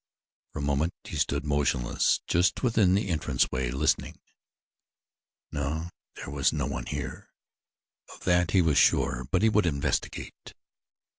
For a moment he stood motionless just within the entranceway, listening. No, there was no one here, of that he was sure, but he would investigate.